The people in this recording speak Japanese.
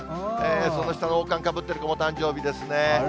その下の王冠かぶってる子も、お誕生日ですね。